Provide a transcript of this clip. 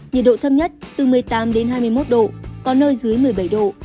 nhiệt độ thấp nhất từ một mươi tám đến hai mươi một độ có nơi dưới một mươi bảy độ